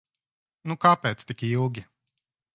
Nu kāpēc tik ilgi?